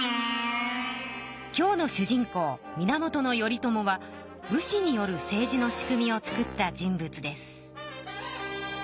今日の主人公源頼朝は武士による政治の仕組みをつくった人物です。